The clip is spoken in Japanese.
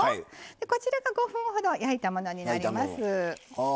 こちら５分ほど焼いたものになります。